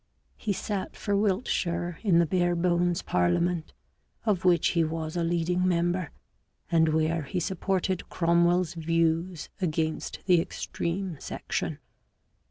He sat for Wiltshire in the Barebones parliament, of which he was a leading member, and where he supported Cromwell's views against the extreme section.